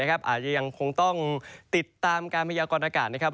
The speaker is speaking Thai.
อาจจะยังคงต้องติดตามการพยายามก่อนอากาศ